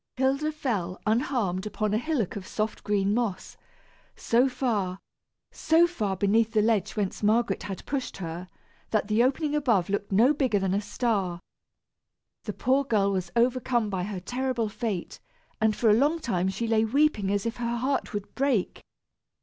Hilda fell, unharmed, upon a hillock of soft green moss, so far, so far beneath the ledge whence Margaret had pushed her, that the opening above looked no bigger than a star. The poor girl was overcome by her terrible fate, and for a long time she lay weeping as if her heart would break.